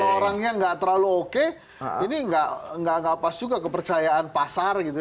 kalau orangnya gak terlalu oke ini gak pas juga kepercayaan pasar gitu ya